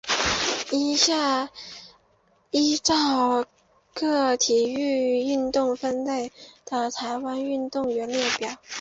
以下依照各体育运动分类的台湾的运动员列表。